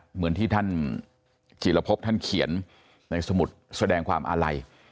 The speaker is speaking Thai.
เหมือนที่ท่านจิลพบท่านเขียนในสมุดแสดงความอาลัย